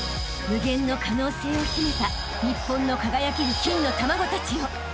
［無限の可能性を秘めた日本の輝ける金の卵たちよ］